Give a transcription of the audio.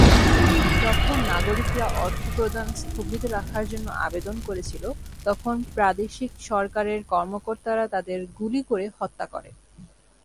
যখন নাগরিকরা অর্থ প্রদান স্থগিত রাখার জন্য আবেদন করেছিল, তখন প্রাদেশিক সরকারের কর্মকর্তারা তাদের গুলি করে হত্যা করে।